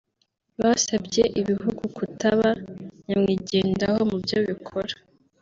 Basabye ibihugu kutaba nyamwigendaho mu byo bikora